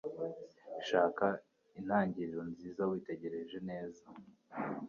Shaka intangiriro nziza witegereje neza.